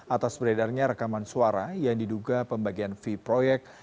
atas beredarnya rekaman suara yang diduga pembagian fee proyek